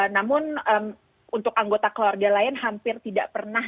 namun untuk anggota keluarga lain hampir tidak pernah